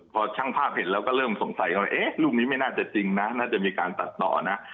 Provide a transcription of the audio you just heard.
พอช่างภาพเห็นแล้วก็เริ่มสงสัยว่าเอ๊ะรูปนี้ไม่น่าจะจริงนะน่าจะมีการตัดต่อนะ